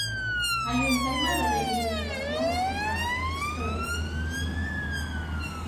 Hai un tema de reivindicación nacional, histórico, si.